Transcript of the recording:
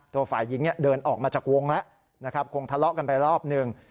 ตัวฝ่ายหญิงเดินออกมาจากวงแล้วนะครับคงทะเลาะกันไปรอบหนึ่ง